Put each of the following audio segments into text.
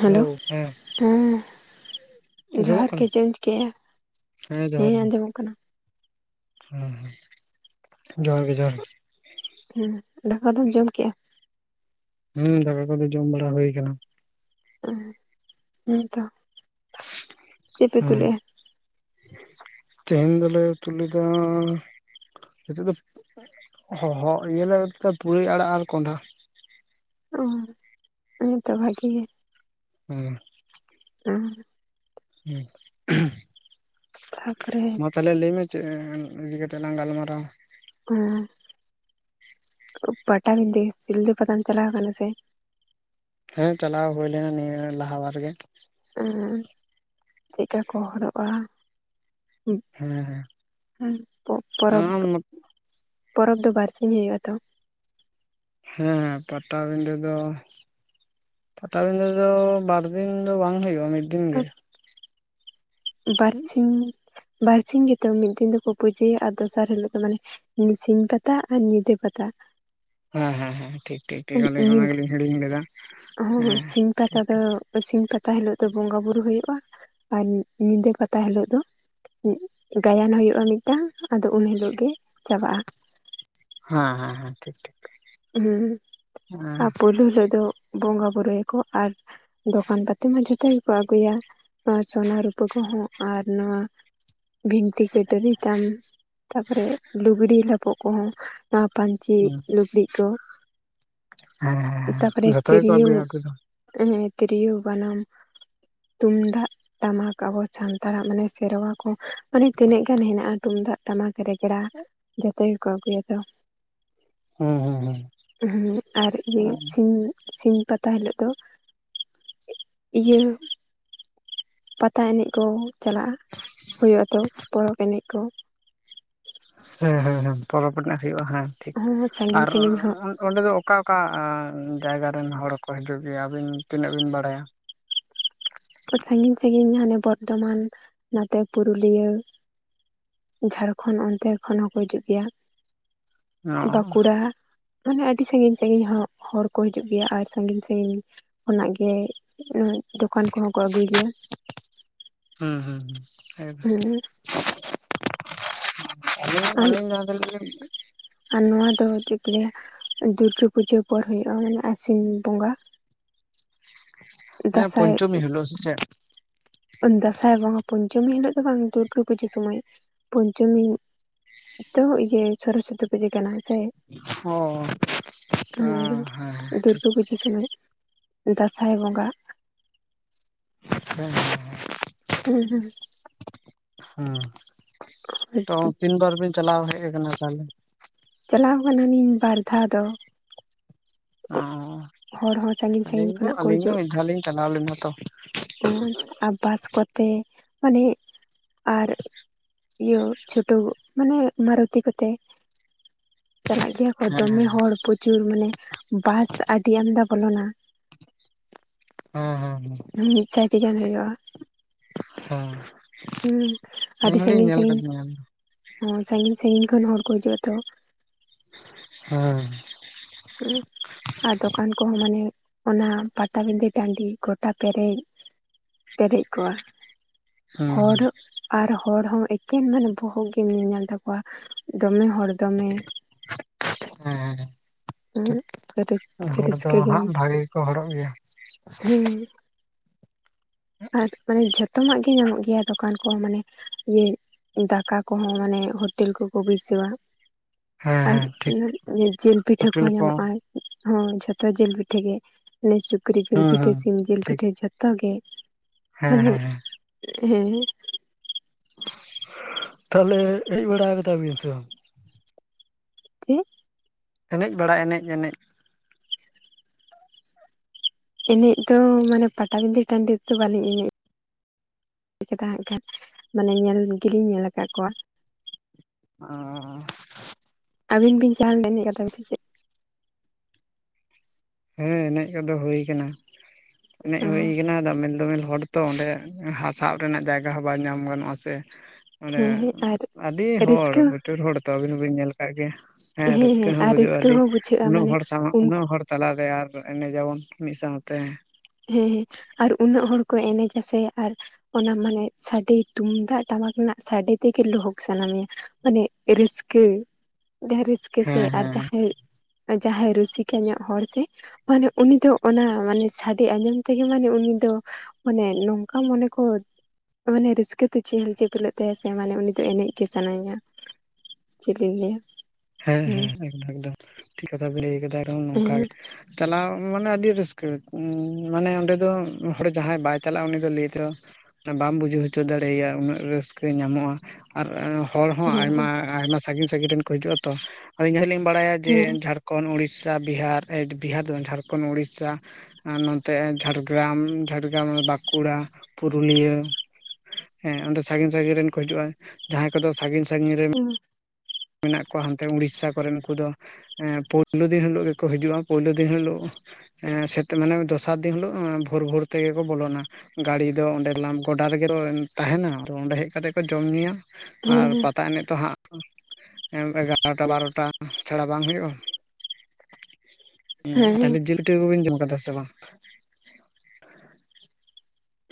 Hello ᱦᱮᱸ ᱟᱸᱡᱚᱢᱚᱜ ᱡᱚᱦᱟᱨ ᱜᱮ ᱠᱟᱱᱟ ᱪᱮᱢ ᱪᱤᱠᱟᱹᱭᱟ ᱡᱚᱦᱟᱨ ᱦᱮᱸ ᱜᱮ ᱟᱸᱡᱚᱢᱚᱜ ᱠᱟᱱᱟ ᱦᱮᱸ ᱦᱚᱸ ᱡᱚᱦᱟᱨ ᱜᱮ ᱡᱚᱦᱟᱨ ᱜᱮ ᱦᱮᱸ ᱫᱟᱠᱟ ᱫᱚᱢ ᱡᱚᱢ ᱠᱮᱫᱟᱜ-ᱟ ᱦᱮᱸ ᱫᱟᱠᱟ ᱠᱚᱫᱚ ᱡᱚᱢ ᱵᱟᱲᱟ ᱦᱩᱭ ᱠᱟᱱᱟ ᱚ ᱦᱮᱸ ᱛᱚ ᱪᱮᱫ ᱯᱮ ᱩᱛᱩ ᱦᱮᱸ ᱞᱮᱜᱼᱟ? ᱛᱮᱦᱮᱧ ᱫᱚᱞᱮ ᱩᱛᱩ ᱞᱮᱫᱟ ᱱᱤᱛᱚᱜ ᱫᱚ ᱦᱚᱦᱚ ᱤᱭᱟᱹ ᱞᱮ ᱯᱩᱨᱟᱹᱭ ᱟᱲᱟᱜ ᱟᱨ ᱠᱚᱸᱰᱦᱟ ᱚ ᱟᱱᱮ ᱛᱚ ᱵᱷᱟᱜᱤ ᱜᱮ ᱦᱮᱸ ᱚ ᱛᱟᱯᱚᱨᱮ ᱦᱮᱸ ᱛᱟᱦᱚᱞᱮ ᱞᱟᱹᱭ ᱢᱮ ᱪᱮᱫ ᱤᱫᱤ ᱠᱟᱛᱮ ᱞᱟᱝ ᱜᱟᱞᱢᱟᱨᱟᱣᱟ ᱦᱮᱸ ᱯᱟᱴᱟᱵᱤᱸᱫᱟᱹ ᱥᱤᱞᱫᱟᱹ ᱯᱟᱛᱟᱱ ᱪᱟᱞᱟᱣ ᱠᱟᱱᱟ ᱥᱮ ᱦᱮᱸ ᱪᱟᱞᱟᱣ ᱦᱩᱭ ᱞᱮᱱᱟ ᱱᱤᱭᱟᱹ ᱞᱟᱦᱟ ᱵᱟᱨ ᱜᱮ ᱮ ᱪᱮᱫᱠᱟ ᱠᱚ ᱦᱚᱲᱚᱜ-ᱟ? ᱦᱮᱸ ᱦᱮᱸ ᱯᱚ ᱯᱚᱨᱚᱵᱽ ᱟᱢ ᱯᱚᱨᱚᱵᱽ ᱫᱚ ᱵᱟᱨᱥᱤᱧ ᱦᱩᱭᱩᱜ-ᱟ ᱛᱚ ᱦᱮᱸ ᱯᱟᱴᱟᱵᱤᱸᱫᱟᱹ ᱫᱚ ᱯᱟᱴᱟᱵᱤᱫᱟᱹ ᱫᱚ ᱵᱟᱨ ᱫᱤᱱ ᱫᱚ ᱵᱟᱝ ᱦᱩᱭᱩᱜ-ᱟ ᱢᱤᱫ ᱫᱤᱱ ᱜᱮ ᱵᱟᱨᱥᱤᱧ ᱵᱟᱨᱥᱤᱧ ᱜᱮᱛᱚ ᱢᱤᱫ ᱫᱤᱱ ᱫᱚᱠᱚ ᱯᱩᱡᱟᱹᱭᱟ ᱟᱨ ᱫᱚᱥᱟᱨ ᱦᱤᱞᱳᱜ ᱫᱚ ᱢᱟᱱᱮ, ᱢᱤᱫ ᱥᱤᱧ ᱯᱟᱛᱟ ᱟᱨ ᱧᱤᱫᱟᱹ ᱯᱟᱛᱟ, ᱦᱮᱸ ᱦᱮᱸ ᱦᱮᱸ ᱴᱷᱤᱠ ᱴᱷᱤᱠ ᱴᱷᱤᱠ ᱟᱞᱤᱧ ᱧᱤᱫᱟᱹ ᱚᱱᱟ ᱜᱮᱞᱤᱧ ᱦᱤᱲᱤᱧ ᱞᱮᱫᱟ ᱦᱚᱸ ᱦᱮᱸ ᱥᱤᱧ ᱯᱟᱛᱟ ᱴᱷᱤᱠ ᱫᱚ ᱴᱷᱤᱠ, ᱥᱤᱧ ᱯᱟᱛᱟ ᱦᱤᱞᱳᱜ ᱫᱚ ᱵᱚᱸᱜᱟ ᱵᱩᱨᱩ ᱦᱩᱭᱩᱜᱼᱟ ᱟᱨ ᱧᱤᱫᱟᱹ ᱯᱟᱛᱟ ᱦᱤᱞᱳᱜ ᱫᱚ, ᱜᱟᱭᱟᱱ ᱦᱩᱭᱩᱜᱼᱟ ᱢᱤᱫ ᱫᱷᱟᱣ ᱟᱫᱚ ᱩᱱ ᱦᱤᱞᱳᱜ ᱜᱮ ᱪᱟᱵᱟᱜᱼᱟ, ᱦᱮᱸ ᱦᱮᱸ ᱦᱮᱸ ᱴᱷᱤᱠ ᱴᱷᱤᱠ, ᱦᱩᱸ ᱦᱮᱸ ᱟᱨ ᱯᱩᱭᱞᱳ ᱦᱤᱞᱳᱜ ᱫᱚ ᱵᱚᱸᱜᱟ ᱵᱩᱨᱩᱭᱟᱠᱚ ᱟᱨ, ᱫᱚᱠᱟᱱ ᱯᱟᱛᱤ ᱢᱟ ᱡᱷᱚᱛᱚ ᱜᱮᱠᱚ ᱟᱹᱜᱩᱭᱟ ᱱᱚᱣᱟ ᱥᱚᱱᱟ ᱨᱩᱯᱟᱹ ᱠᱚᱦᱚᱸ ᱟᱨ ᱱᱚᱣᱟ, ᱵᱷᱤᱱᱴᱤ ᱠᱟᱹᱴᱟᱹᱨ ᱛᱟᱢ ᱛᱟᱯᱚᱨᱮ ᱞᱩᱜᱽᱲᱤ ᱞᱟᱯᱚᱜ ᱠᱚᱦᱚᱸ ᱱᱚᱣᱟ ᱯᱟᱹᱧᱪᱤ ᱦᱮᱸ ᱞᱩᱜᱽᱲᱤᱡ ᱠᱚ ᱦᱮᱸ ᱛᱟᱯᱚᱨᱮ ᱡᱚᱛᱚ ᱜᱮᱠᱚ ᱛᱤᱨᱭᱳ, ᱟᱹᱜᱩᱭᱟ ᱟᱹᱜᱩ ᱫᱚ ᱦᱮᱸ ᱛᱤᱨᱤᱭᱳ ᱵᱟᱱᱟᱢ, ᱛᱩᱢᱫᱟᱜ ᱴᱟᱢᱟᱠ ᱟᱵᱚ ᱥᱟᱱᱛᱟᱲᱟᱜ ᱢᱟᱱᱮ ᱥᱮᱨᱣᱟ ᱠᱚ, ᱢᱟᱱᱮ ᱛᱤᱱᱟᱹᱜ ᱜᱟᱱ ᱦᱮᱱᱟᱜᱼᱟ ᱛᱩᱢᱫᱟᱜ ᱴᱟᱢᱟᱠ ᱨᱮᱜᱽᱲᱟ ᱡᱷᱚᱛᱚ ᱜᱮᱠᱚ ᱟᱹᱜᱩᱭᱟ ᱠᱚ ᱦᱩᱸ ᱦᱩᱸ ᱦᱩᱸ ᱦᱩᱸ ᱟᱨ ᱤᱭᱟᱹ ᱥᱤᱧ ᱥᱤᱧ ᱯᱟᱛᱟ ᱦᱤᱞᱳᱜ ᱫᱚ, ᱤᱭᱟᱹ ᱯᱟᱛᱟ ᱮᱱᱮᱡ ᱠᱚ, ᱪᱟᱞᱟᱜᱼᱟ ᱦᱩᱭ ᱟᱛᱚ ᱯᱚᱨᱚᱵᱽ ᱮᱱᱮᱡ ᱠᱚ, ᱦᱮᱸ ᱦᱮᱸ ᱦᱮᱸ ᱯᱚᱨᱚᱵᱽ ᱮᱱᱮᱡ ᱦᱩᱭᱩᱜᱼᱟ ᱦᱮᱸ ᱴᱷᱤᱠ ᱦᱚᱸ ᱥᱟᱺᱜᱤᱧ ᱟᱨ ᱥᱟᱺᱜᱤᱧ ᱦᱚᱸ ᱚᱸᱰᱮ ᱫᱚ ᱚᱠᱟ ᱚᱠᱟ ᱡᱟᱭᱜᱟ ᱨᱮᱱ ᱦᱚᱲ ᱠᱚ ᱦᱤᱡᱩᱜ ᱜᱮᱭᱟ ᱟᱹᱵᱤᱱ ᱛᱤᱱᱟᱹᱜ ᱵᱤᱱ ᱵᱟᱲᱟᱭᱟ, ᱥᱟᱺᱜᱤᱧ ᱥᱟᱺᱜᱤᱧ ᱦᱟᱱᱮ ᱵᱚᱨᱫᱷᱚᱢᱟᱱ ᱱᱚᱛᱮ ᱯᱩᱨᱩᱞᱤᱭᱟᱹ ᱡᱷᱟᱲᱠᱷᱚᱱ ᱚᱱᱛᱮ ᱠᱷᱚᱱ ᱦᱚᱸᱠᱚ ᱦᱤᱡᱩᱜ ᱜᱮᱭᱟ ᱚ ᱵᱟᱸᱠᱩᱲᱟ, ᱢᱟᱱᱮ ᱟᱹᱰᱤ ᱥᱟᱺᱜᱤᱧ ᱥᱟᱺᱜᱤᱧ ᱦᱚᱸ ᱦᱚᱲ ᱠᱚ ᱦᱤᱡᱩᱜ ᱜᱮᱭᱟ ᱟᱨ ᱥᱟᱺᱜᱤᱧ ᱥᱟᱜᱤᱧ, ᱠᱷᱚᱱᱟᱜ ᱜᱮ ᱫᱚᱠᱟᱱ ᱠᱚᱦᱚᱸ ᱠᱚ ᱟᱹᱜᱩᱭ ᱜᱮᱭᱟ, ᱦᱮᱸ ᱦᱮᱸ ᱦᱮᱸ ᱮᱠᱫᱚᱢ ᱟᱞᱤᱧ ᱟᱞᱤᱧ ᱡᱟᱦᱟᱸ [inaudible] ᱟᱨ ᱱᱚᱣᱟ ᱫᱚ ᱪᱮᱫ ᱠᱚ ᱞᱟᱹᱭᱟ ᱫᱩᱨᱜᱟᱹ ᱯᱩᱡᱟᱹ ᱯᱚᱨ ᱦᱩᱭᱩᱜᱼᱟ ᱢᱟᱱᱮ ᱟᱥᱤᱱ ᱵᱚᱸᱜᱟ, ᱦᱮᱸ ᱫᱟᱸᱥᱟᱭ ᱯᱚᱧᱪᱚᱢᱤ ᱦᱤᱞᱳᱜ ᱥᱮ ᱪᱮᱫ, ᱫᱟᱸᱥᱟᱭ ᱵᱚᱸᱜᱟ ᱯᱚᱧᱪᱚᱢᱤ ᱦᱤᱞᱳᱜ ᱫᱚ ᱵᱟᱝ ᱫᱩᱨᱜᱟᱹ ᱯᱩᱡᱟᱹ ᱥᱢᱚᱭ ᱯᱚᱧᱪᱚᱢᱤ ᱛᱚ ᱤᱭᱟᱹ ᱥᱚᱨᱚᱥᱚᱛᱤ ᱯᱩᱡᱟᱹ ᱠᱟᱱᱟ ᱦᱮᱥᱮ ᱚ ᱦᱮᱸ, ᱫᱩᱨᱜᱟᱹ ᱯᱩᱡᱟᱹ ᱥᱚᱢᱚᱭ ᱫᱟᱸᱥᱟᱭ ᱵᱚᱸᱜᱟ, ᱦᱮᱸ ᱦᱮᱸ ᱦᱮᱸ ᱦᱩᱸ ᱦᱩᱸ ᱦᱮᱸ ᱛᱚ ᱛᱤᱱ ᱵᱟᱨ ᱵᱤᱱ ᱪᱟᱞᱟᱣ ᱦᱮᱡ ᱠᱟᱱᱟ ᱛᱟᱦᱚᱞᱮ, ᱪᱟᱞᱟᱣ ᱠᱟᱱᱟᱞᱤᱧ ᱵᱟᱨ ᱫᱷᱟᱣ ᱫᱚ, ᱚ ᱦᱚᱲ ᱦᱚᱸ ᱥᱟᱺᱜᱤᱧ ᱟᱹᱞᱤᱧ ᱥᱟᱺᱜᱤᱧ ᱫᱚ ᱠᱷᱚᱱᱟᱜ ᱠᱚ ᱟᱹᱞᱤᱧ ᱫᱚ ᱢᱤᱫ ᱫᱷᱟᱣ ᱞᱤᱧ ᱪᱟᱞᱟᱣ ᱞᱮᱱᱟ ᱛᱚ, ᱚ ᱟᱨ ᱵᱟᱥ ᱠᱚᱛᱮ ᱢᱟᱱᱮ ᱟᱨ, ᱤᱭᱟᱹ ᱪᱷᱩᱴᱟ. ᱣ ᱢᱟᱱᱮ ᱢᱟᱨᱳᱛᱤ ᱠᱚᱛᱮ, ᱪᱟᱞᱟᱜ ᱜᱮᱭᱟ ᱠᱚ ᱦᱮᱸ ᱫᱚᱢᱮ ᱦᱚᱲ ᱯᱨᱚᱪᱩᱨ ᱢᱟᱱᱮ ᱵᱟᱥ ᱟᱹᱰᱤ ᱟᱢᱫᱟ ᱵᱚᱞᱚᱱᱟ, ᱦᱚᱸ ᱦᱚᱸ ᱦᱚᱸ, ᱢᱤᱫ ᱥᱟᱭᱴᱤ ᱜᱟᱱ ᱦᱩᱭᱩᱜᱼᱟ, ᱦᱮᱸ ᱦᱩᱸ ᱟᱹᱞᱤᱧ ᱟᱹᱰᱤ ᱦᱚᱞᱤᱧ ᱥᱟᱺᱜᱤᱧ ᱧᱮᱞ ᱠᱟᱫ ᱥᱟᱺᱜᱤᱧ, ᱜᱮᱭᱟ ᱦᱚᱸ ᱥᱟᱺᱜᱤᱧ ᱥᱟᱺᱜᱤᱧ ᱠᱷᱚᱱ ᱦᱚᱲ ᱠᱚ ᱦᱤᱡᱩᱜᱼᱟ ᱛᱚ, ᱦᱮᱸ ᱦᱩᱸᱜ-ᱩ ᱟᱨ ᱫᱚᱠᱟᱱ ᱠᱚᱦᱚᱸ ᱢᱟᱱᱮ ᱚᱱᱟ ᱯᱟᱛᱟ ᱵᱤᱸᱫᱷᱟᱹ ᱴᱟᱺᱰᱤ ᱜᱚᱴᱟ ᱯᱮᱨᱮᱡ ᱯᱮᱨᱮᱡ ᱠᱚᱜᱼᱟ ᱦᱮᱸ ᱦᱚᱨ ᱟᱨ ᱦᱚᱲ ᱦᱚᱸ ᱮᱠᱮᱱ ᱢᱟᱱᱮ ᱵᱚᱦᱚᱜ ᱜᱮᱢ ᱧᱮᱞᱧᱟᱢ ᱛᱟᱠᱚᱣᱟ ᱫᱚᱢᱮ ᱦᱚᱲ ᱫᱚᱢᱮ᱾ ᱦᱮᱸ ᱴᱷᱤᱠ [inaudible] ᱦᱚᱲ ᱫᱚ ᱜᱮᱢ ᱦᱟᱸᱜ ᱵᱷᱟᱜᱮ ᱜᱮᱠᱚ ᱦᱚᱲᱚᱜ ᱜᱮᱭᱟ ᱦᱮᱸ ᱟᱨ ᱢᱟᱱᱮ ᱡᱷᱚᱛᱚᱱᱟᱜ ᱜᱮ ᱧᱟᱢᱚᱜ ᱜᱮᱭᱟ ᱫᱚᱠᱟᱱ ᱠᱚ ᱢᱟᱱᱮ ᱤᱭᱟ. ᱫᱟᱠᱟ ᱠᱚᱦᱚᱸ ᱢᱟᱱᱮ ᱦᱚᱴᱮᱞ ᱠᱳᱠᱳ ᱵᱟᱹᱭᱥᱟᱹᱣᱟ ᱦᱮᱸ ᱟᱨ ᱦᱮᱸ ᱴᱷᱤᱠ ᱚᱱᱮ ᱡᱤᱞ ᱯᱤᱴᱷᱟᱹ ᱯᱷᱩᱴᱤᱞ ᱠᱚᱦᱚᱸ ᱠᱚ ᱧᱟᱢᱚᱜᱼᱟ ᱦᱚᱸ ᱡᱷᱚᱛᱚ ᱡᱤᱞ ᱯᱤᱴᱷᱟᱹ ᱜᱮ ᱢᱟᱱᱮ ᱥᱩᱠᱨᱤ ᱡᱤᱞ ᱦᱮᱸ ᱯᱤᱴᱷᱟᱹ ᱦᱮᱸ ᱥᱤᱢ ᱡᱤᱞ ᱴᱷᱤᱠ ᱯᱤᱴᱷᱟᱹ ᱡᱷᱚᱛᱚ ᱜᱮ ᱦᱮᱸ ᱦᱮᱸ ᱦᱮᱸ [inaudible] ᱦᱮᱸ ᱛᱟᱦᱞᱮ ᱦᱮᱡ ᱵᱟᱲᱟ ᱠᱟᱫᱟ ᱵᱤᱱ ᱥᱮ ᱵᱟᱝ ᱪᱮᱫ ᱮᱱᱮᱡ ᱵᱟᱲᱟ ᱮᱱᱮᱡ ᱮᱱᱮᱡ ᱮᱱᱮᱡ ᱫᱚ ᱢᱟᱱᱮ ᱯᱟᱴᱟ ᱵᱤᱸᱫᱷᱟᱹ ᱴᱟᱺᱰᱤ ᱨᱮ ᱫᱚ ᱵᱟᱞᱤᱧ ᱮᱱᱮᱡ ᱤᱠᱷᱟᱹᱱ ᱛᱟᱦᱮᱜ ᱠᱷᱟᱡ ᱢᱟᱱᱮ ᱧᱮᱞ ᱜᱮᱞᱤᱧ ᱧᱮᱞ ᱟᱠᱟᱜ ᱠᱚᱣᱟ ᱟᱸᱻ ᱟᱵᱤᱱ ᱵᱤᱱ ᱪᱟᱦᱟᱞ ᱮᱱᱮᱡ ᱠᱟᱛᱷᱟ ᱜᱮ ᱪᱮ ᱪᱮᱫ ᱦᱮᱸ ᱮᱱᱮᱡ ᱠᱚᱫᱚ ᱦᱩᱭ ᱟᱠᱟᱱᱟ ᱮᱱᱮᱡ ᱦᱩᱭ ᱟᱠᱟᱱᱟ ᱫᱚᱢᱮᱞ ᱫᱚᱢᱮᱞ ᱦᱚᱲ ᱛᱳ ᱚᱸᱰᱮ ᱦᱟᱸᱜ ᱥᱟᱵ ᱨᱮᱱᱟᱜ ᱡᱟᱭᱜᱟ ᱦᱚᱸ ᱵᱟᱭ ᱧᱟᱢ ᱜᱟᱱᱚᱜᱼᱟ ᱥᱮ ᱚᱱᱮ ᱦᱮᱸ ᱦᱮᱸ ᱟᱨ ᱟᱹᱰᱤ ᱦᱚᱲ ᱨᱟᱹᱥᱠᱟᱹ ᱯᱩᱛᱩᱨ ᱦᱚᱲ ᱛᱚ ᱟᱹᱵᱤᱱ ᱦᱚᱸ ᱵᱤᱱ ᱧᱮᱞ ᱟᱠᱟᱜ ᱜᱮᱭᱟ ᱦᱮᱸ ᱨᱟᱹᱥᱠᱟᱹ ᱦᱚᱸ ᱟᱨ ᱵᱩᱡᱩᱜᱼᱟ ᱨᱟᱹᱥᱠᱟᱹ ᱟᱹᱰᱤ ᱦᱚᱸ ᱵᱩᱡᱷᱟᱹᱜᱼᱟ ᱩᱱᱟᱹᱜ ᱢᱟᱱᱮ ᱦᱚᱲ ᱥᱟᱶ ᱩᱱᱠᱩ ᱩᱱᱟᱹᱜ ᱦᱚᱲ ᱛᱟᱞᱟ ᱨᱮ ᱟᱨ ᱮᱱᱮᱡ ᱟᱵᱚᱱ ᱢᱤᱫ ᱥᱟᱶᱛᱮ᱾ ᱦᱮᱸ ᱦᱮᱸ ᱟᱨ ᱩᱱᱟᱹᱜ ᱦᱚᱲ ᱠᱚ ᱮᱱᱮᱡᱼᱟ ᱥᱮ ᱟᱨ ᱚᱱᱟ ᱢᱟᱱᱮ ᱥᱟᱰᱮ ᱛᱩᱢᱫᱟᱜ ᱴᱟᱢᱟᱠ ᱨᱮᱱᱟᱜ ᱥᱟᱰᱮ ᱛᱮᱜᱮ ᱞᱩᱦᱩᱠ ᱥᱟᱱᱟ ᱢᱮᱭᱟ᱾ ᱢᱟᱱᱮ ᱨᱟᱹᱥᱠᱟᱹ ᱡᱟᱦᱟᱸ ᱨᱟᱹᱥᱠᱟᱹ ᱥᱮ ᱦᱮᱸ ᱟᱨ ᱦᱮᱸ ᱡᱟᱦᱟᱸᱭ ᱡᱟᱦᱟᱸᱭ ᱨᱩᱥᱤᱠᱟ ᱧᱚᱜ ᱦᱚᱲ ᱥᱮ ᱢᱟᱱᱮ ᱩᱱᱤ ᱫᱚ ᱚᱱᱟ ᱢᱟᱱᱮ ᱥᱟ ᱰᱮ ᱟᱸᱡᱚᱢ ᱛᱮᱜᱮ ᱢᱟᱱᱮ ᱩᱱᱤ ᱫᱚ ᱢᱟᱱᱮ ᱱᱚᱝᱠᱟ ᱢᱚᱱᱮ ᱠᱚ ᱢᱟᱱᱮ ᱨᱟᱹᱥᱠᱟᱹ ᱛᱮ ᱪᱮᱦᱮᱞ ᱪᱮᱯᱮᱞᱚᱜ ᱛᱟᱭᱟ ᱥᱮ ᱢᱟᱱᱮ ᱩᱱᱤ ᱫᱚ ᱮᱱᱮᱡ ᱜᱮ ᱥᱟᱱᱟᱭᱭᱟᱸ ᱪᱮᱜᱠᱳᱭᱤᱧ ᱞᱟ. ᱭ- ᱟ ᱦᱮᱸ ᱦᱮᱸ ᱮᱠᱫᱚᱢ ᱮᱠᱫᱚᱢ ᱴᱷᱤᱠ ᱠᱟᱛᱷᱟ ᱵᱮᱱ ᱞᱟᱹᱭ ᱠᱟᱫᱟ ᱟᱨ ᱱᱚᱝᱠᱟ ᱦᱮᱸ ᱪᱟᱞᱟᱣ ᱢᱟᱱᱮ ᱟᱹᱰᱤ ᱨᱟᱹᱥᱠᱟᱹ ᱢᱟᱱᱮ ᱚᱸᱰᱮ ᱫᱚ ᱦᱚᱲ ᱡᱟᱦᱟᱸᱭ ᱵᱟᱭ ᱪᱟᱞᱟᱜᱼᱟ ᱩᱱᱤ ᱫᱚ ᱞᱟᱹᱭ ᱛᱮᱦᱚᱸ ᱵᱟᱢ ᱵᱩᱡᱷᱟᱹᱣ ᱦᱚᱪᱚ ᱫᱟᱲᱮᱭᱟᱭᱟ ᱩᱱᱟᱹᱜ ᱨᱟᱹᱥᱠᱟᱹ ᱧᱟᱢᱚᱜᱼᱟ ᱟᱨ ᱦᱚᱲ ᱦᱚᱸ ᱦᱮᱸ ᱟᱭᱢᱟ ᱟᱭᱢᱟ ᱥᱟᱺᱜᱤᱧ ᱥᱟᱺᱜᱤᱧ ᱨᱤᱱ ᱠᱚ ᱦᱤᱡᱩᱜᱼᱟ ᱛᱚ ᱟᱫᱚ ᱤᱱᱟᱹ ᱦᱚᱞᱤᱧ ᱵᱟᱲᱟᱭᱟ ᱡᱮ ᱦᱮᱸ ᱡᱷᱟᱨ ᱠᱷᱚᱸᱰ ᱩᱰᱤᱥᱟ ᱵᱤᱦᱟᱨ ᱮᱰ ᱵᱤᱦᱟᱨ ᱫᱚ ᱵᱟᱝ ᱡᱷᱟᱨᱠᱷᱚᱸᱰ ᱩᱰᱤᱥᱟ᱾ ᱟᱨ ᱱᱚᱛᱮ ᱡᱷᱟᱲᱜᱨᱟᱢ ᱡᱷᱟᱲᱜᱨᱟᱢ ᱵᱟᱠᱩᱲᱟ ᱯᱩᱨᱩᱞᱤᱭᱟᱹ ᱦᱮᱸ ᱚᱸᱰᱮ ᱥᱟᱺᱜᱤᱧ ᱥᱟᱺᱜᱤᱧ ᱨᱤᱱ ᱠᱚ ᱦᱤᱡᱩᱜᱼᱟ ᱡᱟᱦᱟᱸᱭ ᱠᱚᱫᱚ ᱥᱟᱺᱜᱤᱧ ᱥᱟᱺᱜᱤᱧ ᱨᱮᱱ ᱦᱩᱸ ᱢᱮᱱᱟᱜ ᱠᱚᱣᱟ ᱦᱟᱱᱛᱮ ᱩᱰᱤᱥᱟ ᱠᱚᱨᱮᱱ ᱩᱱᱠᱩ ᱫᱚ ᱮᱸ ᱯᱩᱭᱞᱩ ᱫᱤᱱ ᱦᱤᱞᱚᱜ ᱜᱮᱠᱚ ᱦᱤᱡᱩᱜᱼᱟ ᱯᱩᱭᱞᱩ ᱫᱤᱱ ᱦᱤᱞᱚᱜ ᱮᱸ ᱥᱮᱛ ᱢᱟᱱᱮ ᱫᱚᱥᱟᱨ ᱫᱤᱱ ᱦᱤᱞᱚᱜ ᱵᱷᱚᱨ ᱵᱷᱚᱨ ᱛᱮᱜᱮ ᱠᱚ ᱵᱚᱞᱚᱱᱟ᱾ ᱜᱟᱰᱤ ᱫᱚ ᱚᱸᱰᱮ ᱞᱟᱝ ᱜᱚᱰᱟ ᱨᱮᱜᱮ ᱛᱟᱦᱮᱱᱟ ᱚᱸᱰᱮ ᱦᱮᱡ ᱠᱟᱛᱮᱜ ᱠᱚ ᱡᱚᱢ ᱧᱩᱭᱟ᱾ ᱟᱨ ᱦᱮᱸ ᱦᱮᱸ ᱯᱟᱛᱟ ᱮᱱᱮᱡ ᱛᱳ ᱦᱟᱸᱜ ᱮᱜᱟᱨᱴᱟ ᱵᱟᱨᱚᱴᱟ ᱪᱷᱟᱲᱟ ᱵᱟᱝ ᱦᱩᱭᱩᱜᱼᱟ? ᱩᱸ ᱛᱟᱦᱞᱮ ᱦᱮᱸ ᱡᱤᱞ ᱯᱤᱴᱷᱟᱹ ᱠᱚᱵᱮᱱ ᱡᱚᱢ ᱟᱠᱟᱫᱟ ᱥᱮ ᱵᱟᱝ?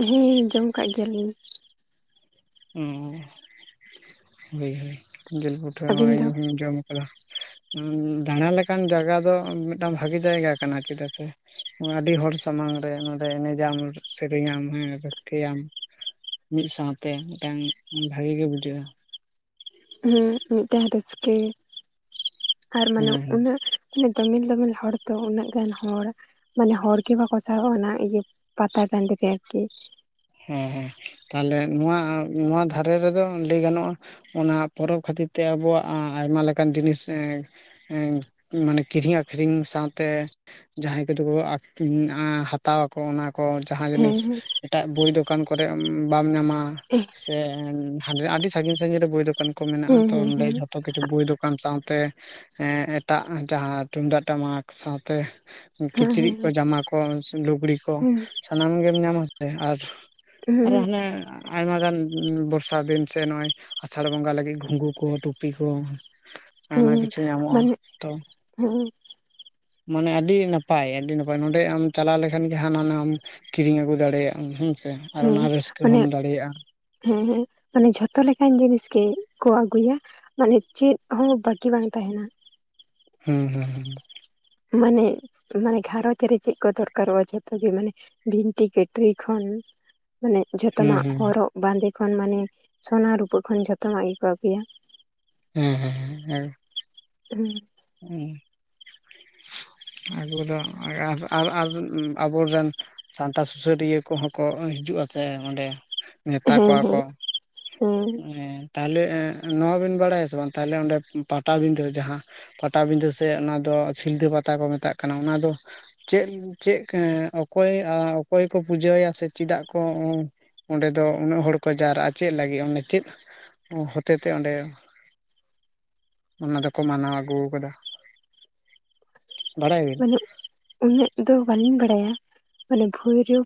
ᱦᱮᱸ ᱡᱚᱢ ᱟᱠᱟᱜ ᱜᱮᱭᱟᱞᱤᱧ᱾ ᱚᱸ ᱦᱚᱭ ᱡᱤᱞ ᱯᱤᱴᱷᱟᱹ ᱟᱹᱵᱤᱱ ᱫᱚ ᱦᱩᱧ ᱡᱚᱢᱼᱼ ᱫᱟᱬᱟ ᱞᱮᱠᱟᱱ ᱡᱟᱜᱟ ᱫᱚ ᱢᱤᱫᱴᱟᱝ ᱵᱷᱟᱜᱤ ᱡᱟᱭᱜᱟ ᱠᱟᱱᱟ᱾ ᱪᱮᱫᱟᱜ ᱥᱮᱼᱼ ᱟᱹᱰᱤ ᱦᱚᱲ ᱥᱟᱢᱟᱝ ᱨᱮ ᱱᱚᱸᱰᱮ ᱮᱱᱮᱡᱟᱢ ᱥᱮᱨᱮᱧᱟᱢ ᱦᱮᱸ ᱨᱟᱹᱥᱠᱟᱹᱭᱟᱢ᱾ ᱢᱤᱫ ᱥᱟᱶᱛᱮ ᱢᱤᱫᱴᱟᱝ ᱵᱷᱟᱹᱜᱤ ᱜᱮ ᱵᱩᱡᱷᱟᱹᱜᱼᱟ᱾ ᱦᱩᱸ ᱢᱤᱫᱴᱮᱱ ᱨᱟᱹᱥᱠᱟᱹ ᱟᱨ ᱦᱮᱸ ᱢᱟᱱᱮ ᱦᱮᱸ ᱩᱱᱟᱹᱜᱼᱼ ᱢᱟᱱᱮ ᱫᱚᱢᱮᱞ ᱫᱚᱢᱮᱞ ᱦᱚᱲ ᱫᱚ ᱩᱱᱟᱹᱜ ᱜᱟᱱ ᱦᱚᱲ᱾ ᱢᱟᱱᱮ ᱦᱚᱲ ᱜᱮ ᱵᱟᱠᱚ ᱥᱟᱦᱚᱵ ᱟ ᱚᱱᱟ ᱤᱭᱟᱹ ᱯᱟᱛᱟ ᱴᱟᱺᱰᱤ ᱛᱮ ᱟᱨᱠᱤ᱾ ᱦᱮᱸ ᱦᱮᱸ ᱛᱟᱦᱞᱮ ᱱᱚᱣᱟ ᱱᱚᱣᱟ ᱫᱷᱟᱨᱮ ᱨᱮᱫᱚ ᱞᱟᱹᱭ ᱜᱟᱱᱚᱜᱼᱟᱼᱼ ᱚᱱᱟ ᱯᱚᱨᱚᱵᱽ ᱠᱷᱟᱹᱛᱤᱨ ᱛᱮ ᱟᱵᱚᱣᱟᱜ ᱟᱭᱢᱟ ᱞᱮᱠᱟᱱ ᱡᱤᱱᱤᱥ ᱮᱸᱼᱼ ᱮᱸ ᱢᱟᱱᱮ ᱠᱤᱨᱤᱧ ᱟᱹᱠᱷᱨᱤᱧ ᱥᱟᱶᱛᱮᱼᱼ ᱡᱟᱦᱟᱸᱭ ᱠᱚᱫᱚ ᱠᱚ ᱟᱹᱨᱤᱧ ᱟ ᱦᱟᱛᱟᱣ ᱟᱠᱚ ᱚᱱᱟ᱾ ᱠᱚ ᱡᱟᱦᱟᱸ ᱦᱮᱸ ᱡᱤᱱᱤᱥ ᱮᱴᱟᱜ ᱵᱳᱭ ᱫᱚᱠᱟᱱ ᱠᱚᱨᱮ ᱵᱟᱢ ᱧᱟᱢᱟ᱾ ᱦᱮᱸ [unintelligible] ᱟᱹᱰᱤ ᱥᱟᱺᱜᱤᱧ ᱥᱟᱺᱜᱤᱧ ᱨᱮ ᱵᱳᱭ ᱫᱚᱠᱟᱱ ᱠᱚ ᱢᱮᱱᱟᱜᱼᱟ ᱦᱮᱸ ᱛᱚ ᱦᱮᱸ ᱚᱸ ᱦᱮᱸ ᱡᱚᱛᱚᱼᱼ ᱠᱤᱪᱷᱩᱠ ᱵᱳᱭ ᱫᱚᱠᱟᱱ ᱥᱟᱶᱛᱮ, ᱮᱸ ᱮᱴᱟᱜ ᱡᱟᱦᱟᱸ ᱛᱩᱢᱫᱟᱜ ᱴᱟᱢᱟᱠ ᱥᱟᱶᱛᱮᱼᱼ ᱦᱮᱸ ᱠᱤᱪᱨᱤᱡ ᱠᱚ ᱡᱟᱢᱟ ᱠᱚ ᱞᱩᱜᱽᱲᱤ ᱠᱚ ᱥᱟᱱᱟᱢ ᱜᱮᱢ ᱧᱟᱢᱟ ᱥᱮ ᱟᱨᱼᱼ ᱦᱮᱸ ᱟᱨᱚ ᱦᱮᱸ ᱦᱟᱱᱮ ᱟᱭᱢᱟ ᱜᱟᱱ ᱵᱚᱨᱥᱟ ᱫᱤᱱ ᱥᱮ ᱱᱚᱜᱼᱚᱭᱼᱼ ᱟᱥᱟᱲ ᱵᱚᱸᱜᱟ ᱞᱟᱹᱜᱤᱜ ᱜᱷᱩᱸᱜᱩ ᱠᱚ ᱴᱩᱯᱤ ᱠᱚ᱾ ᱦᱮᱸ ᱟᱭᱢᱟ ᱦᱮᱸ ᱠᱤᱪᱷᱩ ᱧᱟᱢᱚᱜᱼᱟ ᱢᱟᱱᱮ ᱛᱚᱼᱼ ᱦᱮᱸ ᱢᱟᱱᱮ ᱟᱹᱰᱤ ᱱᱟᱯᱟᱭ, ᱟᱹᱰᱤ ᱱᱟᱯᱟᱭ ᱱᱚᱸᱰᱮ ᱟᱢ ᱪᱟᱞᱟᱣ ᱞᱮᱠᱷᱟᱱ ᱜᱮ, ᱦᱟᱱᱟ ᱱᱷᱟᱣᱟᱢᱼᱼ ᱠᱤᱨᱤᱧ ᱟᱹᱜᱩ ᱫᱟᱲᱮᱭᱟᱜ ᱟᱢ ᱦᱮᱸᱥᱮ ᱟᱨ ᱦᱮᱸ ᱚᱱᱟ ᱨᱟᱹᱥᱠᱟᱹ ᱢᱟᱱᱮ ᱦᱚᱢ ᱫᱟᱲᱮᱭᱟᱜᱼᱟ᱾ ᱦᱮᱸ ᱦᱮᱸ ᱢᱟᱱᱮ ᱡᱷᱚᱛᱚ ᱞᱮᱠᱟᱱ ᱡᱤᱱᱤᱥ ᱜᱮᱠᱚ ᱟᱹᱜᱩᱭᱟ? ᱢᱟᱱᱮ ᱪᱮᱫ ᱦᱚᱸ ᱵᱟᱹᱠᱤ ᱵᱟᱝ ᱛᱟᱦᱮᱸᱱᱟ᱾ ᱦᱩᱸ ᱦᱩᱸ ᱦᱩᱸ ᱾ ᱢᱟᱱᱮ, ᱢᱟᱱᱮ ᱜᱷᱟᱨᱚᱡᱽ ᱨᱮ ᱪᱮᱫ ᱠᱚ ᱫᱚᱨᱠᱟᱨᱚᱜᱼᱟ ᱡᱷᱚᱛᱚ ᱜᱮ, ᱢᱟᱱᱮᱼᱼ ᱵᱷᱤᱱᱴᱤ ᱠᱟᱹᱴᱨᱤ ᱠᱷᱚᱱ ᱢᱟᱱᱮ ᱦᱩᱸ ᱡᱚᱛᱚᱱᱟᱼᱜ, ᱦᱚᱨᱚᱜᱼᱼ ᱵᱟᱸᱫᱮ ᱠᱷᱚᱱ ᱢᱟᱱᱮ ᱥᱚᱱᱟ ᱨᱩᱯᱟᱹ ᱠᱷᱚᱱ ᱡᱷᱚᱛᱚᱱᱟᱜ ᱜᱮᱠᱚ ᱟᱹᱜᱩᱭᱟ᱾ ᱦᱮᱸ ᱦᱮᱸ ᱦᱮᱸ ᱾ [unintelligible] ᱩᱸ᱾ [unintelligible] ᱮᱸ᱾ [inaudible] ᱟᱵᱚ ᱫᱚ, [unintelligible] ᱟᱵᱚᱨᱮᱱ ᱥᱟᱱᱛᱟ ᱥᱩᱥᱟᱹᱨᱤᱭᱟᱹ ᱠᱚᱦᱚᱸ ᱠᱚ ᱦᱤᱡᱩᱜᱼᱟ ᱥᱮ ᱚᱸᱰᱮ᱾ ᱱᱮᱛᱟ ᱦᱮᱸ ᱠᱚᱣᱟ ᱦᱮᱸ ᱠᱚ ᱦᱮᱸ ᱮᱸ᱾ ᱛᱟᱦᱞᱮ ᱱᱚᱣᱟ ᱵᱤᱱ ᱵᱟᱲᱟᱭᱟ ᱥᱮ ᱵᱟᱝ ᱛᱟᱦᱞᱮ ᱚᱸᱰᱮ ᱯᱟᱴᱟ ᱵᱤᱸᱫᱟᱹ ᱡᱟᱦᱟᱸᱼᱼ ᱯᱟᱴᱟ ᱵᱤᱸᱫᱟᱹ ᱥᱮ ᱚᱱᱟ ᱫᱚ ᱥᱤᱞᱫᱟᱹ ᱯᱟᱛᱟ ᱠᱚ ᱢᱮᱛᱟᱜ ᱠᱟᱱᱟ ᱚᱱᱟ ᱫᱚᱼᱼ ᱪᱮᱜ, ᱪᱮᱜ ᱚᱠᱚᱭ ᱚᱠᱚᱭ ᱠᱚ ᱯᱩᱡᱟᱹ ᱟᱭᱟ ᱥᱮ ᱪᱮᱫᱟᱜ ᱠᱚ? ᱚᱸᱰᱮ ᱫᱚ ᱩᱱᱟᱹᱜ ᱦᱚᱲ ᱠᱚ ᱡᱟᱣᱨᱟᱜᱼᱟ ᱪᱮᱜ ᱞᱟᱹᱜᱤᱫ ᱚᱸᱰᱮ ᱪᱮᱜ? ᱦᱚᱛᱮ ᱛᱮ ᱚᱸᱰᱮ, ᱚᱱᱟ ᱫᱚᱠᱚ ᱢᱟᱱᱟᱣ ᱟᱹᱜᱩᱼᱼ [unintelligible] ᱫᱟ ᱵᱟᱲᱟᱭᱟ ᱵᱤᱱ? ᱢᱟᱱᱮ ᱩᱱᱟᱹᱜ ᱫᱚ ᱵᱟᱞᱤᱧ ᱵᱟᱲᱟᱭᱟ, ᱢᱟᱱᱮ ᱵᱷᱚᱭᱨᱚᱼᱼ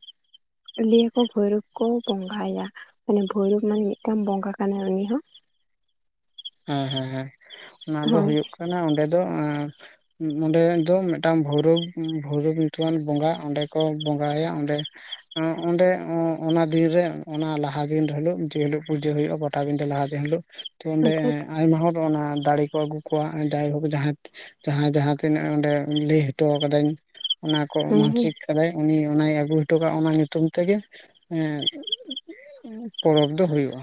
ᱞᱟᱹᱭᱟ ᱠᱚ ᱵᱷᱚᱭᱨᱚᱵ ᱠᱚ ᱵᱚᱸᱜᱟ ᱟᱭᱟ, ᱢᱟᱱᱮ ᱵᱷᱚᱭᱨᱚᱵ ᱢᱟᱱᱮ ᱢᱤᱫᱴᱟᱝ ᱵᱚᱸᱜᱟ ᱠᱟᱱᱟᱭ ᱩᱱᱤ ᱦᱚᱸ᱾ ᱦᱮᱸ ᱦᱮᱸ ᱦᱮᱸ ᱚᱱᱟ ᱫᱚ ᱦᱳᱭ ᱦᱩᱭᱩᱜ ᱠᱟᱱᱟ, ᱚᱸᱰᱮ ᱫᱚ ᱮᱸᱼᱼ ᱚᱸᱰᱮ ᱫᱚ ᱢᱤᱫᱴᱟᱝ ᱵᱷᱳᱭᱨᱳᱵ ᱵᱷᱳᱭᱨᱳᱵ ᱧᱩᱛᱩᱢᱟᱱ ᱵᱚᱸᱜᱟ ᱚᱸᱰᱮ ᱠᱚ ᱵᱚᱸᱜᱟᱭᱟ ᱚᱸᱰᱮ, ᱚᱸᱰᱮ ᱚᱱᱟ ᱫᱤᱱᱨᱮ ᱚᱱᱟ ᱞᱟᱦᱟ ᱫᱤᱱ ᱦᱤᱞᱳᱜ, ᱡᱮᱦᱤᱞᱳᱜ ᱯᱩᱡᱟᱹ ᱦᱩᱭᱩᱜᱼᱟ᱾ ᱯᱟᱴᱟᱵᱤᱫᱟᱹ ᱞᱟᱦᱟ ᱫᱤᱱ ᱦᱤᱞᱳᱜ, ᱛᱚ ᱚᱸᱰᱮ ᱟᱭᱢᱟ ᱦᱚᱲ ᱚᱱᱟ ᱫᱟᱲᱮ ᱠᱚ ᱟᱹᱜᱩ ᱠᱚᱣᱟ ᱡᱟᱭᱦᱳᱠ ᱡᱟᱦᱟᱸᱼᱼ ᱡᱟᱦᱟᱸᱭ ᱡᱟᱦᱟᱸᱛᱤᱱᱟᱹᱜ ᱚᱸᱰᱮ ᱞᱟᱹᱭ ᱦᱚᱴᱚ ᱠᱟᱹᱫᱟᱹᱭ ᱚᱱᱟ ᱠᱚ ᱦᱮᱸ ᱦᱮᱸ ᱢᱟᱱᱥᱤᱠᱼᱼ ᱠᱟᱫᱟᱭ ᱩᱱᱤ ᱚᱱᱟᱭ ᱟᱹᱜᱩ ᱦᱚᱴᱚ ᱠᱟᱜᱼᱟ ᱚᱱᱟ ᱧᱩᱛᱩᱢ ᱛᱮᱜᱮᱼᱼ ᱯᱚᱨᱚᱵᱽ ᱫᱚ ᱦᱩᱭᱩᱜᱼᱟ᱾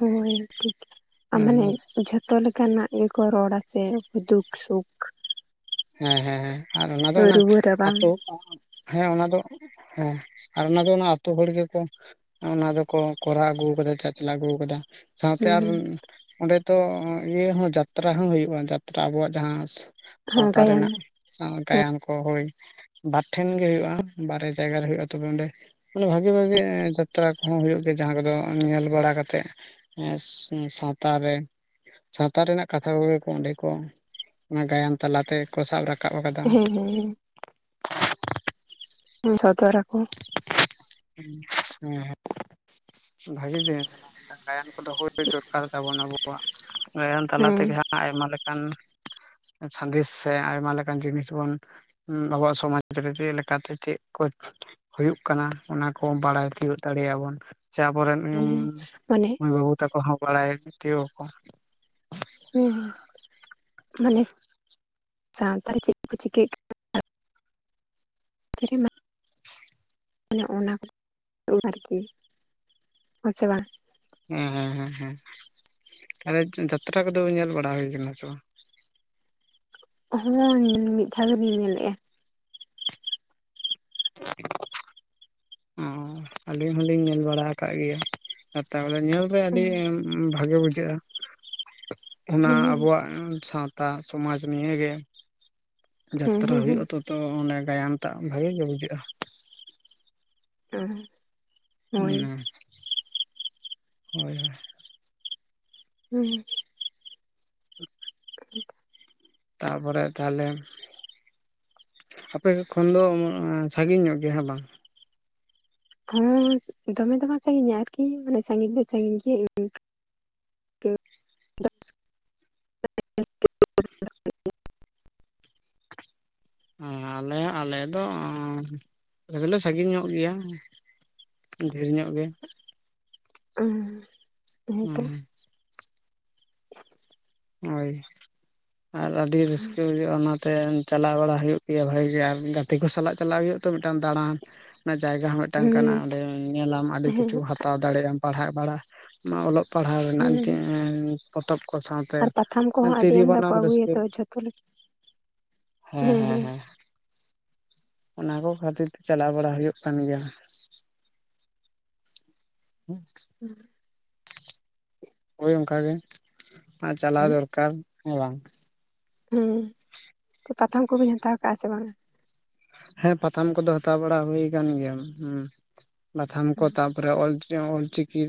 ᱦᱳᱭ ᱴᱷᱤᱠ ᱟᱨ ᱦᱮᱸ ᱢᱟᱱᱮᱼᱼ ᱡᱷᱚᱛᱚ ᱞᱮᱠᱟᱱᱟᱜ ᱜᱮᱠᱚ ᱨᱚᱲᱟ ᱥᱮ ᱫᱩᱠ ᱥᱩᱠᱼᱼ ᱦᱮᱸ ᱦᱮᱸ ᱟᱨ ᱚᱱᱟ ᱫᱚ ᱚᱱᱟ ᱨᱩᱣᱟᱹ ᱨᱟᱵᱟᱝ ᱟᱹᱛᱩᱼᱼ ᱦᱮᱸ ᱚᱱᱟ ᱫᱚ ᱦᱮᱸ ᱟᱨ ᱚᱱᱟ ᱫᱚ ᱚᱱᱟ ᱟᱹᱛᱩᱳ ᱦᱚᱲ ᱜᱮᱠᱚᱼᱼ ᱚᱱᱟ ᱫᱚᱠᱚ ᱠᱚᱨᱟᱣ ᱟᱹᱜᱩ ᱠᱟᱫᱟ ᱪᱟᱪᱞᱟᱣ ᱟᱹᱜᱩ ᱠᱟᱫᱟ᱾ ᱥᱟᱶᱛᱮ ᱟᱨ ᱦᱮᱸ ᱚᱸᱰᱮ ᱛᱚ ᱤᱭᱟᱹ ᱦᱚᱸ ᱡᱟᱛᱨᱟ ᱦᱚᱸ ᱦᱩᱭᱩᱜᱼᱟ ᱡᱟᱛᱨᱟ ᱟᱵᱚᱣᱟᱜ ᱡᱟᱦᱟᱸ᱾ ᱦᱩᱸ ᱚᱠᱟ ᱨᱮᱱᱟᱜ ᱥᱟᱸᱣ ᱜᱟᱭᱟᱱ ᱠᱚ ᱦᱳᱭ ᱵᱟᱨ ᱴᱷᱮᱱ ᱜᱮ ᱦᱩᱭᱩᱜᱼᱟ ᱵᱟᱨᱭᱟ ᱡᱟᱭᱜᱟ ᱨᱮ ᱦᱩᱭᱩᱜᱼᱟ ᱛᱚᱵᱮ ᱚᱸᱰᱮᱼᱼ ᱢᱮᱱᱮ ᱵᱷᱟᱜᱤ ᱵᱷᱟᱜᱤ ᱡᱟᱛᱨᱟ ᱠᱚᱦᱚᱸ ᱦᱩᱭᱩᱜ ᱜᱮᱭᱟ ᱡᱟᱦᱟᱸ ᱠᱚᱫᱚ ᱧᱮᱞ ᱵᱟᱲᱟ ᱠᱟᱛᱮᱜᱼᱼ ᱦᱮᱸ ᱥᱟᱶᱛᱟ ᱨᱮ ᱥᱟᱶᱛᱟ ᱨᱮᱱᱟᱜ ᱠᱟᱛᱷᱟ ᱠᱚᱜᱮ ᱠᱚ ᱚᱸᱰᱮ ᱠᱚ ᱚᱱᱟ ᱜᱟᱭᱟᱱ ᱛᱟᱞᱟᱛᱮ ᱠᱚ ᱥᱟᱵ ᱨᱟᱠᱟᱵᱼᱼ ᱦᱮᱸ, ᱦᱮᱸ, ᱦᱮᱸ ᱥᱚᱫᱚᱨ ᱟᱠᱟ᱾ ᱦᱮᱸ ᱦᱮᱸ ᱵᱷᱟᱜᱤ ᱜᱟᱭᱟᱱ ᱠᱟᱱᱟ ᱜᱟᱭᱟᱱ ᱠᱚᱫᱚ ᱦᱩᱭ ᱫᱚᱨᱠᱟᱨ ᱛᱟᱵᱚᱱ ᱟᱵᱚ᱾ ᱠᱚᱣᱟᱜ ᱜᱟᱭᱟᱱ ᱛᱟᱞᱟ ᱦᱮᱸ ᱛᱮᱜᱮ ᱦᱟᱸᱜ ᱟᱭᱢᱟ ᱞᱮᱠᱟᱱᱼᱼ ᱥᱟᱸᱫᱮᱥ ᱥᱮ ᱟᱭᱢᱟ ᱞᱮᱠᱟᱱ ᱡᱤᱱᱤᱥ ᱵᱚᱱᱼᱼ ᱟᱵᱚᱣᱟᱜ ᱥᱚᱢᱟᱡ ᱨᱮ ᱪᱮᱫ ᱞᱮᱠᱟ ᱛᱮ ᱪᱮᱫ ᱠᱚ ᱦᱩᱭᱩᱜ ᱠᱟᱱᱟ ᱚᱱᱟ ᱠᱚ ᱵᱟᱲᱟᱭ ᱛᱤᱭᱳᱟᱹᱜ ᱫᱟᱲᱮ ᱟᱵᱚᱱ ᱥᱮ ᱟᱵᱚᱨᱮᱱ ᱦᱮᱸ ᱢᱟᱱᱮ ᱢᱟᱹᱭ ᱵᱟᱵᱩᱼᱼ ᱛᱚᱠᱚ ᱦᱚᱸ ᱵᱟᱲᱟᱭᱟ ᱛᱤᱭᱜ ᱟᱠᱚ ᱦᱮᱸ ᱦᱮᱸ ᱢᱟᱱᱮ ᱥᱟᱶᱛᱟᱲ ᱪᱮᱫᱠᱚ ᱪᱤᱠᱟᱹᱭᱮᱫ ᱠᱟᱱᱟᱼᱼ ᱛᱟᱨᱮ ᱢᱟ ᱢᱟᱱᱮ ᱚᱱᱟ ᱠᱚ [unintelligible] ᱟᱨᱠᱤ ᱦᱳᱸᱥᱮ ᱵᱟᱝ? ᱦᱮᱸ ᱦᱮᱸ ᱦᱮᱸ ᱦᱮᱸ ᱛᱟᱦᱚᱞᱮ ᱡᱟᱛᱨᱟ ᱠᱚᱫᱚ ᱧᱮᱞ ᱵᱟᱲᱟ ᱦᱩᱭ ᱠᱟᱱᱟ ᱥᱮ ᱵᱟᱝ? ᱦᱳᱭ ᱢᱤᱫ ᱫᱷᱟᱣ ᱫᱚᱤᱧ ᱧᱮᱞ ᱞᱮᱫᱼᱟ᱾ [inaudible] ᱚ ᱟᱹᱞᱤᱧ ᱦᱚᱞᱤᱧ ᱧᱮᱞ ᱵᱟᱲᱟ ᱟᱠᱟᱫ ᱜᱮᱭᱟ ᱡᱟᱛᱨᱟ ᱠᱚᱫᱟ ᱧᱮᱞ ᱨᱮ ᱟᱹᱰᱤᱼᱼ ᱵᱷᱟᱜᱮ ᱵᱩᱡᱷᱟᱹᱜᱼᱟ ᱚᱱᱟ ᱦᱮᱸ ᱟᱵᱚᱣᱟᱜ ᱥᱟᱶᱛᱟᱼᱼ ᱥᱚᱢᱟᱡᱽ ᱱᱤᱭ ᱜᱮ ᱦᱮᱸ ᱡᱟᱛᱨᱟ ᱦᱩᱭᱩᱜᱼᱟ ᱦᱮᱸ ᱛᱚ ᱛᱚ ᱚᱸᱱᱮ ᱜᱟᱭᱟᱱ ᱢᱟᱜ ᱵᱷᱟᱜᱤ ᱜᱮ ᱵᱩᱡᱷᱟᱹᱜᱼᱟ᱾ ᱦᱮᱸ ᱦᱳᱭ ᱮᱸ ᱦᱳᱭ ᱦᱳᱭ ᱦᱩᱸ [inaudible] ᱛᱟᱨᱯᱚᱨᱮ ᱛᱟᱦᱞᱮ ᱟᱯᱮ ᱥᱮᱫ ᱠᱷᱚᱱ ᱫᱚ ᱥᱟᱺᱜᱤᱧ ᱧᱚᱜ ᱜᱮᱭᱟ ᱦᱮᱸ ᱵᱟᱝ? ᱦᱚᱸ ᱫᱚᱢᱮ ᱫᱚᱵᱟᱝ ᱥᱟᱹᱜᱤᱧᱟ ᱟᱨᱠᱤ ᱢᱟᱱᱮ ᱥᱟᱺᱜᱤᱧ ᱫᱚ ᱥᱟᱹᱜᱤᱧ ᱜᱮᱭᱟ᱾ ᱟᱞᱮ ᱟᱞᱮ ᱫᱚ ᱟᱞᱮ ᱫᱚᱞᱮ ᱥᱟᱺᱜᱤᱧ ᱧᱚᱜ ᱜᱮᱭᱟ᱾ ᱰᱷᱮᱨ ᱧᱚᱜ ᱜᱮ᱾ ᱚ ᱦᱳᱭ ᱛᱚ ᱦᱩᱸ ᱦᱳᱭ ᱟᱨ ᱟᱹᱰᱤ ᱨᱟᱹᱥᱠᱟᱹ ᱵᱩᱡᱷᱟᱹᱜ-ᱟ ᱚᱱᱟᱛᱮ ᱪᱟᱞᱟᱣ ᱵᱟᱲᱟ ᱦᱩᱭᱩᱜ ᱜᱮᱭᱟ ᱵᱷᱟᱜᱤ ᱜᱮ ᱟᱨ ᱜᱟᱛᱮ ᱠᱚ ᱥᱟᱞᱟᱜ ᱪᱟᱞᱟᱜ ᱦᱩᱭᱩᱜ-ᱟ ᱛᱚ ᱢᱤᱫᱴᱟᱱ ᱫᱟᱬᱟᱱ ᱚᱱᱟ ᱡᱟᱭᱜᱟ ᱦᱚᱸ ᱢᱤᱫᱴᱟᱝ ᱦᱩᱸ ᱠᱟᱱᱟ ᱚᱸᱰᱮ ᱧᱮᱞᱟᱢ ᱟᱹᱰᱤ ᱠᱤᱪᱷᱩ ᱦᱮᱸ ᱦᱟᱛᱟᱣ ᱫᱟᱲᱮᱭᱟᱜ-ᱟᱢ ᱯᱟᱲᱦᱟᱜ ᱵᱟᱲᱟ ᱚᱞᱚᱜ ᱯᱟᱲᱦᱟᱣ ᱨᱮᱱᱟᱜ ᱦᱩᱸ ᱯᱚᱛᱚᱵ ᱠᱚ ᱥᱟᱶᱛᱮ ᱟᱨ ᱯᱟᱛᱷᱟᱢ ᱠᱚᱦᱚᱸ ᱟᱹᱰᱤ ᱛᱤᱨᱭᱳ ᱟᱢᱫᱟ ᱠᱚ ᱵᱟᱱᱟᱢ ᱨᱟᱹᱥᱠᱟᱹ ᱟᱹᱜᱩᱭᱟᱛᱚ ᱡᱷᱚᱛᱚ ᱞᱮᱠᱟ ᱦᱮᱸ ᱦᱮᱸ ᱦᱮᱸ ᱚᱱᱟ ᱠᱚ ᱠᱷᱟᱹᱛᱤᱨ ᱛᱮ ᱪᱟᱞᱟᱣ ᱵᱟᱲᱟ ᱦᱩᱭᱩᱜ ᱠᱟᱱ ᱜᱮᱭᱟ᱾ ᱦᱮᱸ [unintelligible] ᱦᱳᱭ ᱚᱱᱠᱟ ᱜᱮ ᱪᱟᱞᱟᱣ ᱫᱚᱨᱠᱟᱨ ᱦᱮᱸ ᱵᱟᱝ ᱦᱩ ᱯᱟᱛᱷᱟᱢ ᱠᱚᱵᱤᱱ ᱦᱟᱛᱟᱣ ᱠᱟᱜ-ᱟ ᱥᱮ ᱵᱟᱝ? ᱦᱮᱸ ᱯᱟᱛᱷᱟᱢ ᱠᱚᱫᱚ ᱦᱟᱛᱟᱣ ᱵᱟᱲᱟ ᱦᱩᱭ ᱠᱟᱱ ᱜᱮᱭᱟ ᱦᱮᱸ ᱯᱟᱛᱷᱟᱢ ᱠᱚ ᱛᱟᱯ ᱮ ᱚᱞ ᱚᱞᱪᱤᱠᱤ